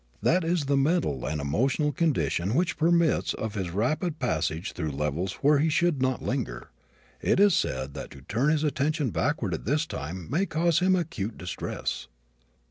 That is the mental and emotional condition which permits of his rapid passage through levels where he should not linger. It is said that to turn his attention backward at this time may cause him acute distress.